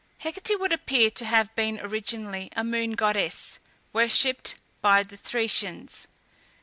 Hecate would appear to have been originally a moon goddess worshipped by the Thracians.